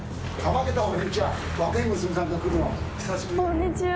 こんにちは。